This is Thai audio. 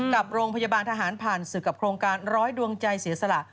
กับโรงพยาบาลทหารผ่านศึกกับโครงการร้อยดวงใจเสียสละ